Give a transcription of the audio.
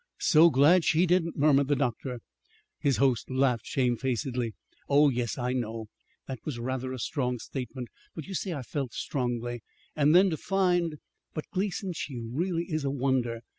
"So glad she didn't!" murmured the doctor. His host laughed shamefacedly. "Oh, yes, I know. That was rather a strong statement. But you see I felt strongly. And then to find But, Gleason, she really is a wonder.